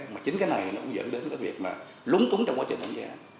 mà chính cái này nó cũng dẫn đến cái việc mà lúng túng trong quá trình đánh giá